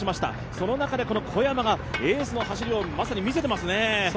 その中で小山がエースの走りをまさに見せていますね。